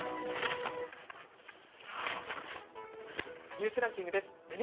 ニュースランキングです。